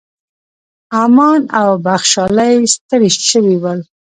امان او بخشالۍ ستړي شوي ول.